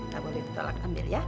tak boleh ditolak ambil ya